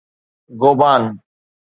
گوبان